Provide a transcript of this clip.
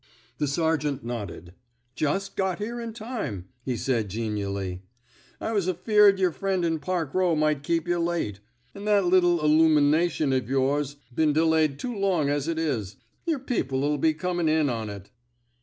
The sergeant nodded. Jus' got here in time,'' he said, genially. '* I was afeard yer friend in Park Eow might keep yuh late. And that little illumination of yours 's been delayed too long as it is. Yer people '11 be comin' in on it."